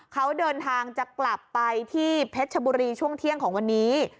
เขาเดินทางจะกลับไปที่เพชรชบุรีช่วงเที่ยงของวันนี้